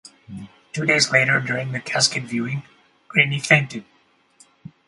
Two days later during the casket viewing, Graney fainted.